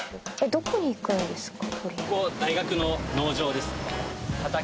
どこに行くんですか？」